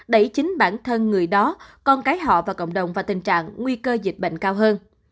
đẩy chính bản thân người đó con cái họ và cộng đồng vào tình trạng nguy cơ dịch bệnh cao hơn